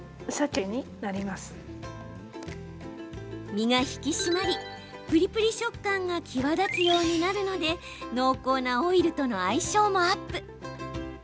身が引き締まり、プリプリ食感が際立つようになるので濃厚なオイルとの相性もアップ。